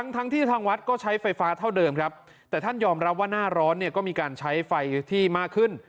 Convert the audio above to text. ทั้งที่ทางวัดก็ใช้ไฟฟ้าเท่าเดิมครับแต่ท่านยอมรับว่าหน้าร้อนเนี่ยก็มีการใช้ไฟที่มากขึ้น